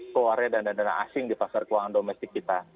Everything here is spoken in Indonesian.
keluarnya dana dana asing di pasar keuangan domestik kita